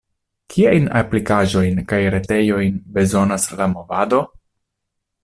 Kiajn aplikaĵojn kaj retejojn bezonas la movado?